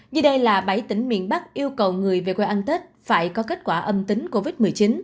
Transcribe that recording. vì đây là bảy tỉnh miền bắc yêu cầu người về quê ăn tết phải có kết quả âm tính covid một mươi chín